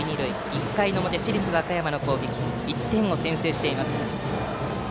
１回の表、市立和歌山の攻撃１点を先制しています。